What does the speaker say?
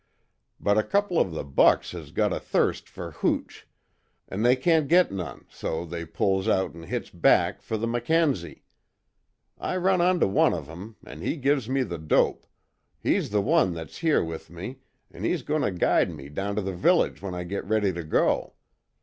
But a couple of the bucks has got a thirst fer hooch, an' they can't git none so they pulls out an' hits back fer the Mackenzie. I run onto one of 'em an' he give me the dope he's the one that's here with me, an' he's goin' to guide me down to the village when I git ready to go.